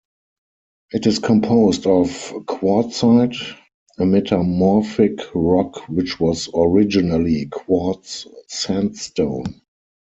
It is composed of Quartzite, a metamorphic rock which was originally quartz sandstone.